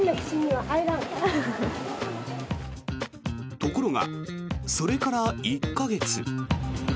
ところが、それから１か月。